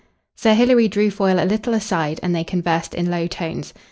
Sir Hilary drew Foyle a little aside, and they conversed in low tones.